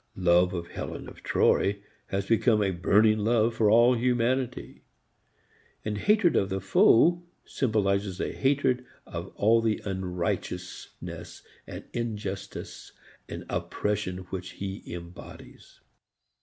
Love of Helen of Troy has become a burning love for all humanity, and hatred of the foe symbolizes a hatred of all the unrighteousness and injustice and oppression which he embodies.